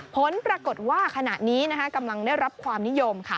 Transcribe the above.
ผลปรากฏว่าขณะนี้กำลังได้รับความนิยม